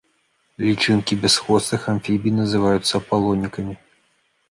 Лічынкі бясхвостых амфібій называюцца апалонікамі.